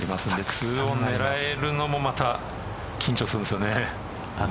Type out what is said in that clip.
２オンを狙えるのもまた緊張するんですよね。